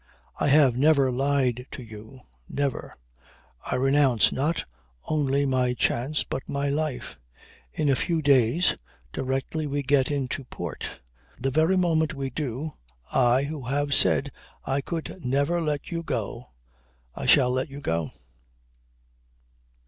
I have never lied to you. Never. I renounce not only my chance but my life. In a few days, directly we get into port, the very moment we do, I, who have said I could never let you go, I shall let you go."